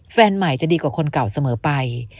แฟนใหม่จะดีกว่าคนเก่าเสมอไป